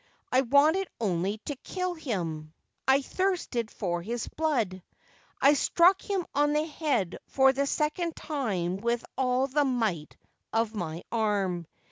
I wanted only to kill him ! I thirsted for his blood ! I struck him on the head for the second time with all the might of my arm.